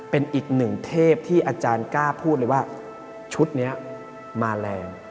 เป็นอีกหนึ่งเทพที่อาจารย์กล้าพูดเลยว่าชุดนี้มาแรง